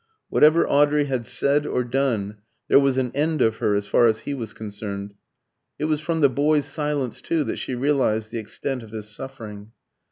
Whatever Audrey had said or done, there was an end of her as far as he was concerned. It was from the boy's silence, too, that she realised the extent of his suffering.